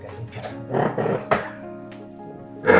gak ada yang sempit